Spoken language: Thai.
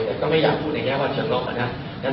แต่ก็ไม่อยากพูดแบบนี้ว่าเชิงหัวมากเกินไปนะ